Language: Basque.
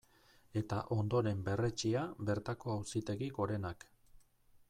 Eta ondoren berretsia bertako Auzitegi Gorenak.